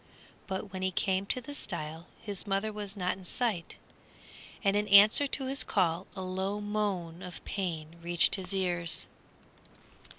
But when he came to the stile his mother was not in sight, and in answer to his call a low moan of pain reached his ears.